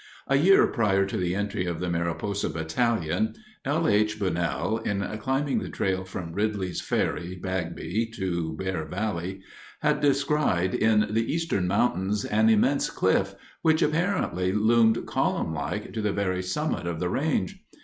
A year prior to the entry of the Mariposa Battalion, L. H. Bunnell, in climbing the trail from Ridley's Ferry (Bagby) to Bear Valley, had descried in the eastern mountains an immense cliff which, apparently, loomed, column like, to the very summit of the range.